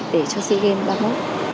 để cho sea game ba mươi một